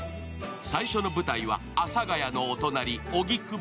最初の舞台は阿佐ヶ谷のお隣荻窪。